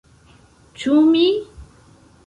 Ĉu mi?